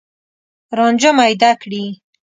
رانجه میده کړي